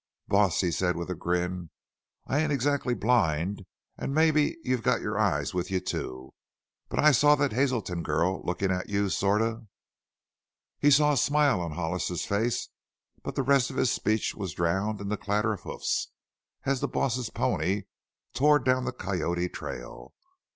"Boss," he said with a grin, "I ain't exactly blind, an' mebbe you've got your eyes with you, too. But I saw that there Hazelton girl lookin' at you sorta " He saw a smile on Hollis's face, but the rest of his speech was drowned in a clatter of hoofs as the "boss's" pony tore down the Coyote trail.